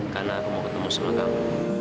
karena aku mau ketemu sama kamu